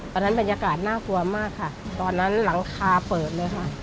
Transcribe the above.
บรรยากาศน่ากลัวมากค่ะตอนนั้นหลังคาเปิดเลยค่ะ